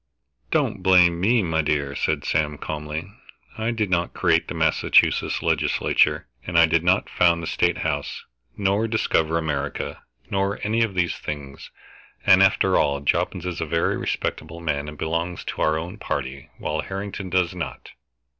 "Don't blame me, my dear," said Sam calmly. "I did not create the Massachusetts Legislature, and I did not found the State House, nor discover America, nor any of these things. And after all, Jobbins is a very respectable man and belongs to our own party, while Harrington does not.